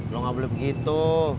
lo gak boleh begitu